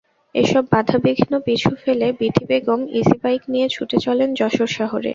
এসব বাধাবিঘ্ন পিছু ফেলে বীথি বেগম ইজিবাইক নিয়ে ছুটে চলেন যশোর শহরে।